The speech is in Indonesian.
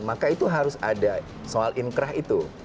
maka itu harus ada soal inkrah itu